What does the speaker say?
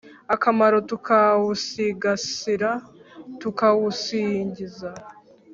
akamaro tukawusigasira tukawusingiza